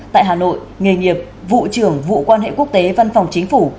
tại hà nội nghề nghiệp vụ trưởng vụ quan hệ quốc tế văn phòng chính phủ